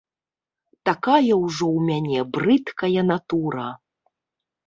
Такая ўжо ў мяне брыдкая натура.